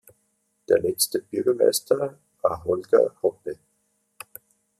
Der letzte Bürgermeister war Holger Hoppe.